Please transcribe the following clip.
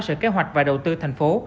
sở kế hoạch và đầu tư thành phố